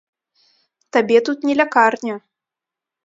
Табе тут не лякарня.